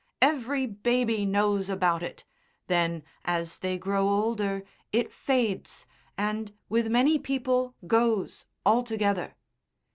Every baby knows about it; then, as they grow older, it fades and, with many people, goes altogether.